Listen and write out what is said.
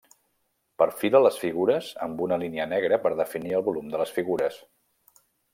Perfila les figures amb una línia negra per definir el volum de les figures.